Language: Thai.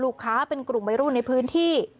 ลูกค้าเป็นกลุ่มไม่รุ่นในพื้นที่